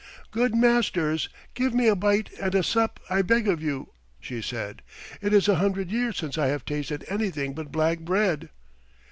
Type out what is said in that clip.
"Good masters, give me a bite and a sup, I beg of you," she said. "It is a hundred years since I have tasted anything but black bread."